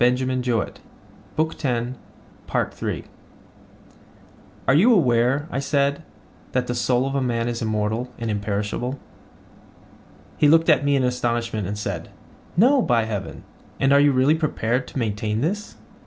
Of the whole, certainly. But why do you ask? Are you not aware, I said, that the soul of man is immortal and imperishable? He looked at me in astonishment, and said: No, by heaven: And are you really prepared to maintain this?